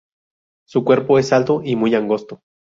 Su cuerpo es alto y muy angosto.